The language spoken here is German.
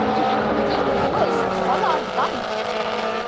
Die Uhr ist voller Sand.